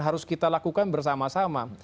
harus kita lakukan bersama sama